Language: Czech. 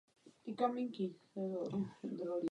Udílen byl za zásluhy předním osobnostem Bulharska.